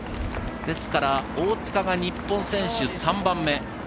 ですから大塚が日本選手３番目。